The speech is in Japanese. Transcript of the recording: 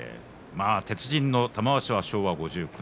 鉄人の玉鷲が昭和５９年。